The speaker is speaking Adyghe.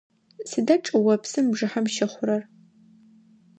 Сыда чӏыопсым бжыхьэм щыхъурэр?